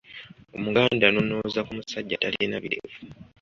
Omuganda anonooza ku musajja atalina birevu.